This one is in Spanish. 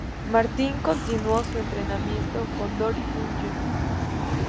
Martin continuó su entrenamiento con Dory Funk Jr.